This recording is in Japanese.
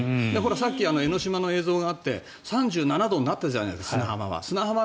さっき江の島の映像があって３７度になったじゃないですか砂浜は。